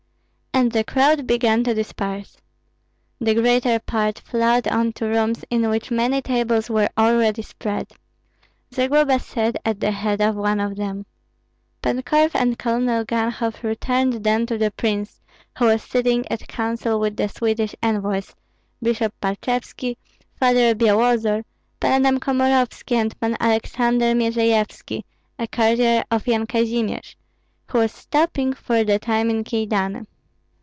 And the crowd began to disperse. The greater part flowed on to rooms in which many tables were already spread. Zagloba sat at the head of one of them. Pan Korf and Colonel Ganhoff returned then to the prince, who was sitting at counsel with the Swedish envoys, Bishop Parchevski, Father Byalozor, Pan Adam Komorovski, and Pan Alexander Myerzeyevski, a courtier of Yan Kazimir, who was stopping for the time in Kyedani.